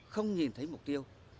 không nhìn thấy mục tiêu